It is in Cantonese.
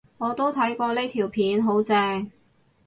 我都睇過呢條片，好正